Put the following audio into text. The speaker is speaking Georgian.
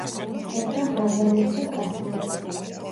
წერდა ღაზალებს და კასიდებს.